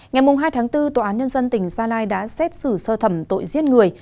ngày hai tháng bốn tòa án nhân dân tỉnh gia lai đã xét xử sơ thẩm tội giết người